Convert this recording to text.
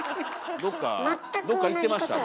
どっか行ってました？